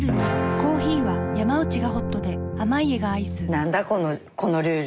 何だこのこのルール。